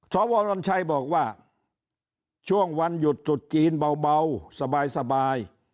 สววัญชัยบอกว่าช่วงวันหยุดจุดจีนเบาสบาย